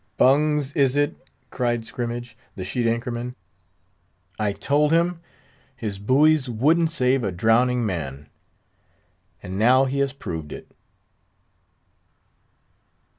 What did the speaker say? "Bungs, is it?" cried Scrimmage, the sheet anchor man; "I told him his buoys wouldn't save a drowning man; and now he has proved it!"